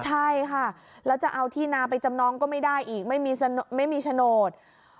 ใช่ค่ะแล้วจะเอาที่นาไปจำนองก็ไม่ได้อีกไม่มีโฉนด